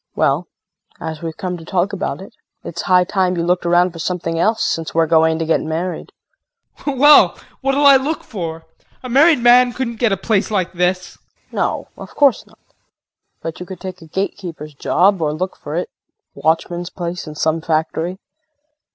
Well, as we've come to talk about it, it's high time you looked around for something else, since we're going to get married. JEAN. Well, what'll I look for? A married man couldn't get a place like this. KRISTIN. No, of course not. But you could take a gatekeeper's job or look for a watchman's place in some factory.